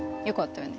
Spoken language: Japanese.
良かった！